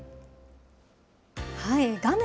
画面